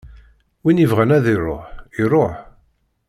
Win yebɣan ad iṛuḥ, iṛuḥ.